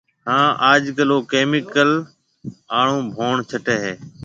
هانَ آج ڪل او ڪَمِيڪل آݪو ڀوڻ ڇٽيَ هيَ۔